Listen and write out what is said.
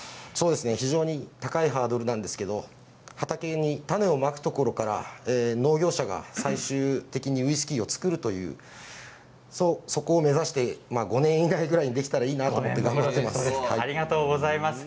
非常に高いハードルなんですが畑に種をまくところから農業者が、最終的にウイスキーを造るというそこを目指して５年以内ぐらいにできたらいいなと思っています。